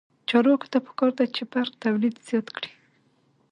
چارواکو ته پکار ده چې، برق تولید زیات کړي.